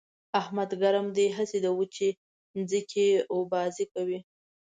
احمد ګرم دی؛ هسې د وچې ځمکې اوبازي کوي.